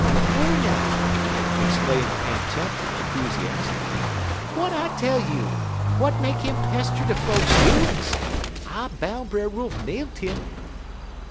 "Dar now!" exclaimed Aunt Tempy, enthusiastically. "W'at I tell you? W'at make him pester t'er folks doin's? I boun' Brer Wolf nail't 'im."